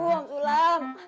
aduh om sulam